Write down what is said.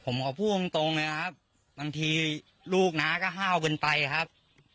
ผมขอพูดตรงเลยครับบางทีลูกน้าก็ห้าวเกินไปครับ